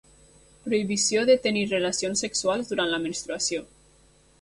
Prohibició de tenir relacions sexuals durant la menstruació.